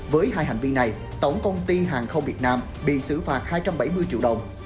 với hai hành vi này tổng công ty hàng không việt nam bị xử phạt hai trăm bảy mươi triệu đồng